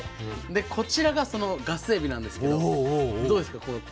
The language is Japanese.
でこちらがそのガスエビなんですけどどうですか？